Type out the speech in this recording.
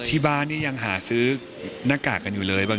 ที่บ้านนี่ยังหาซื้อหน้ากากกันอยู่เลย